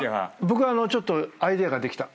僕ちょっとアイデアができた。